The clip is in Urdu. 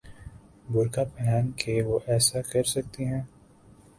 برقعہ پہن کے وہ ایسا کر سکتی ہیں؟